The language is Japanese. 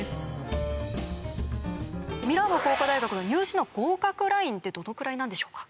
ミラノ工科大学の入試の合格ラインってどのくらいなんでしょうか？